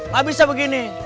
gak bisa begini